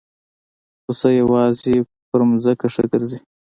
پسه یوازې په ځمکه ښه ګرځي.